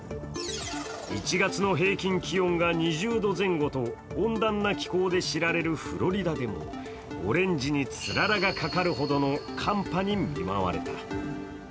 １月の平均気温が２０度前後と温暖な気候で知られるフロリダでもオレンジにつららがかかるほどの寒波に見舞われた。